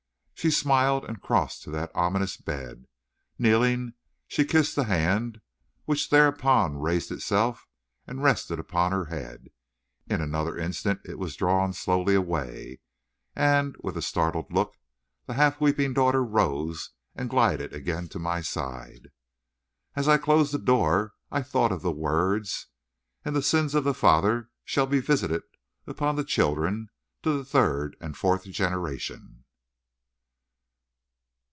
She smiled and crossed to that ominous bed. Kneeling, she kissed the hand, which thereupon raised itself and rested on her head. In another instant it was drawn slowly away, and, with a startled look, the half weeping daughter rose and glided again to my side. As I closed the door I thought of those words: "And the sins of the father shall be visited upon the children to the third and fourth generation."